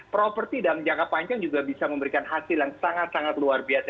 properti dalam jangka panjang juga bisa memberikan hasil yang sangat sangat luar biasa